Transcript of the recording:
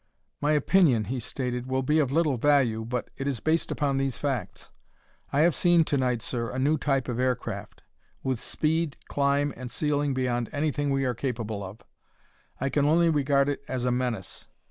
"My opinion," he stated, "will be of little value, but it is based upon these facts. I have seen to night, sir, a new type of aircraft, with speed, climb and ceiling beyond anything we are capable of. I can only regard it as a menace.